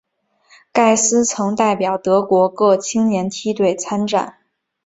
盖斯曾代表德国各青年梯队参战。